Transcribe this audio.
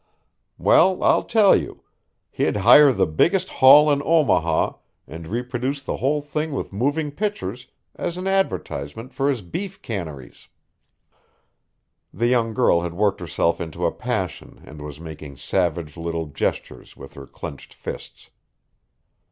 Well, I'll tell you he'd hire the biggest hall in Omaha and reproduce the whole thing with moving pictures as an advertisement for his beef canneries." The young girl had worked herself into a passion and was making savage little gestures with her clenched fists.